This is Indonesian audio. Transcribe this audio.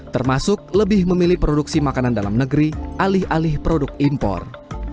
termasuk lebih memilih produksi makanan dalam negeri alih alih produk impor